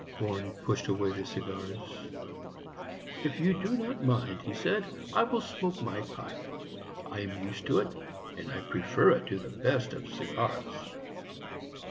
Warren pushed away the cigars. "If you do not mind," said he, "I will smoke my pipe. I am used to it, and I prefer it to the best of cigars."